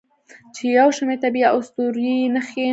چې یو شمیر طبیعي او اسطوروي نښې